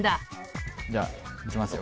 じゃあいきますよ。